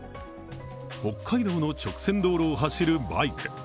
北海道の直線道路を走るバイク。